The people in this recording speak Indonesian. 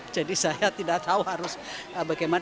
jadi saya tidak tahu harus bagaimana